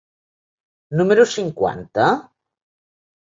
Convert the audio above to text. número cinquanta?